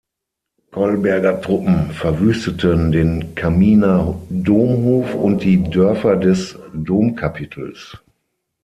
Kolberger Truppen verwüsteten den Camminer Domhof und die Dörfer des Domkapitels.